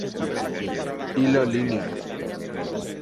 Hilo linear.